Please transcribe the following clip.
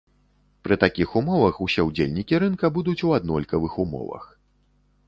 Пры такіх умовах усе ўдзельнікі рынка будуць у аднолькавых умовах.